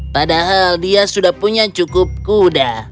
padahal dia sudah punya cukup kuda